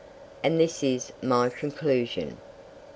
"And this is my conclusion."